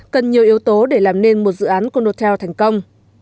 cần nhiều yếu tố để làm nên một dự án condotel thành công